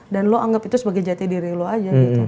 dan lo anggap itu sebagai jati diri lo aja gitu